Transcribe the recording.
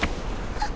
あっ。